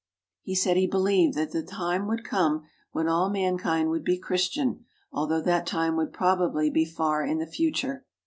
He said he believed that the time would come when all mankind would be Chris tian, although that time would probably be far in the future.